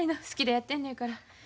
好きでやってんのやから。